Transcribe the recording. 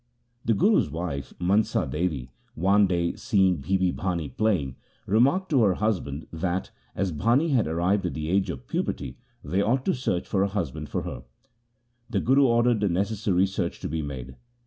LIFE OF GURU AMAR DAS 91 The Guru's wife, Mansa Devi, one day seeing Bibi Bhani playing, remarked to her husband that, as Bhani had arrived at the age of puberty, they ought to search for a husband for her. The Guru ordered the necessary search to be made.